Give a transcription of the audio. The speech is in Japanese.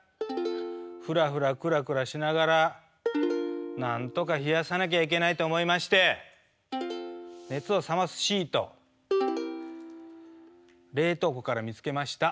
フラフラクラクラしながらなんとか冷やさなきゃいけないと思いまして熱を冷ますシート冷凍庫から見つけました。